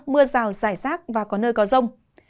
mưa rào rải rác và có nơi có rông